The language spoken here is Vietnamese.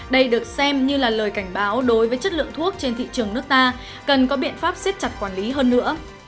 đây được xem như là lời cảnh báo đối với chất lượng thuốc trên thị trường nước ta cần có biện pháp siết chặt quản lý hơn nữa